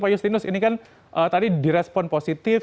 pak justinus ini kan tadi di respon positif